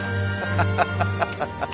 ハハハハ。